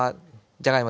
じゃがいも。